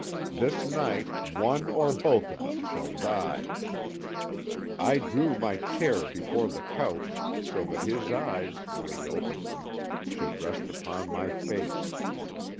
This night, one or both of us shall die!' "I drew my chair before the couch, so that his eyes, when he opened them, should rest upon my face.